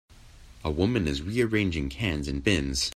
A woman is rearranging cans in bins.